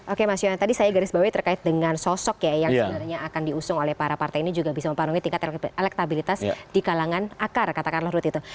oke mas yona tadi saya garis bawah terkait dengan sosok ya yang sebenarnya akan diusung oleh para partai ini juga bisa mempengaruhi tingkat elektabilitas di kalangan akar katakanlah rut itu